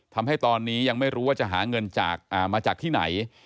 ทำให้ตอนนี้ยังไม่รู้ว่าจะหาเงินมาจากที่ไหน